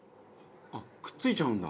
あっくっついちゃうんだ。